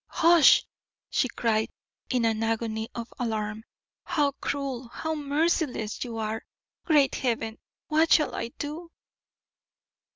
"Hush!" she cried, in an agony of alarm. "How cruel, how merciless you are! Great Heaven, what shall I do?"